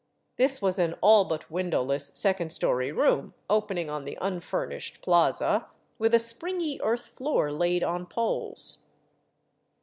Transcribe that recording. This was an all but window less second story room opening on the unfurnished plaza, with a springy earth floor laid on poles.